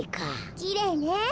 きれいね。